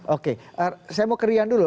oke saya mau ke rian dulu